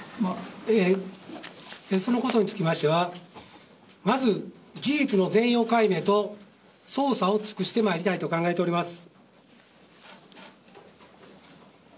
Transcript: そのことにつきましてはまず事実の全容解明と捜査を尽くしてまいりたいと考えております。